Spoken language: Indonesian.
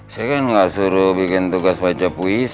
saya kan nggak suruh bikin tugas baca puisi